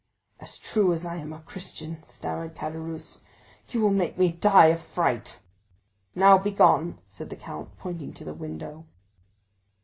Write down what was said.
"As true as I am a Christian," stammered Caderousse, "you will make me die of fright!" "Now begone," said the count, pointing to the window.